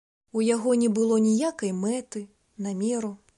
У яго не было ніякай мэты, намеру.